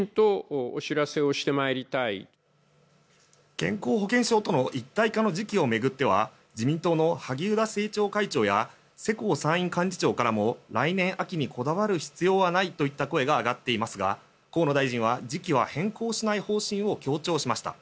健康保険証との一体化の時期を巡っては自民党の萩生田政調会長や世耕参院幹事長からも来年秋にこだわる必要はないといった声が上がっていますが河野大臣は時期は変更しない方針を強調しました。